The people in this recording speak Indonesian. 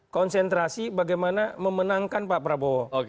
konsentrasi bagaimana memenangkan pak prabowo